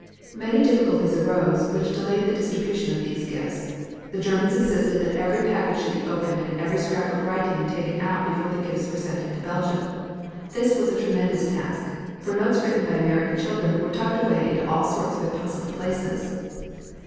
Many difficulties arose, which delayed the distribution of these gifts. The Germans insisted that every package should be opened and every scrap of writing taken out before the gifts were sent into Belgium. This was a tremendous task, for notes written by American children were tucked away into all sorts of impossible places.